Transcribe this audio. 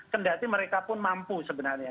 kendati mereka pun mampu sebenarnya